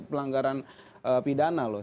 pelanggaran pidana loh